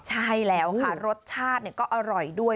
ใช่แล้วค่ะรสชาติก็อร่อยด้วย